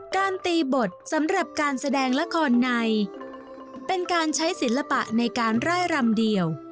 การตีบทสำหรับการแสดงละครในเป็นการใช้ศิลปะในการไล่รำเดียว